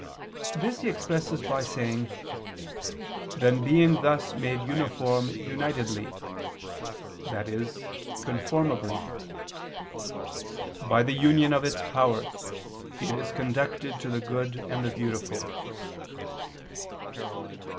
This he expresses by saying: "Then being thus made uniform unitedly," i.e. conformably, "by the union of its powers, it is conducted to the good and the beautiful."